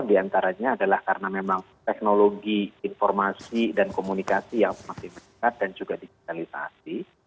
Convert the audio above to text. di antaranya adalah karena memang teknologi informasi dan komunikasi yang masih berkat dan juga digitalisasi